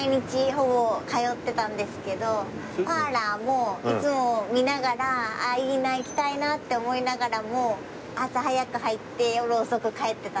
パーラーもいつも見ながらああいいな行きたいなって思いながらも朝早く入って夜遅く帰ってたので。